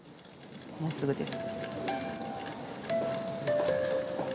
もうすぐです。